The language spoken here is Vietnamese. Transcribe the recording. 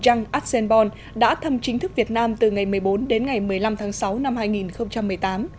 jean arsene bon đã thăm chính thức việt nam từ ngày một mươi bốn đến ngày một mươi năm tháng sáu năm hai nghìn một mươi tám